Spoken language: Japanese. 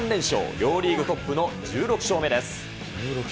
両リーグトップの１６勝目です。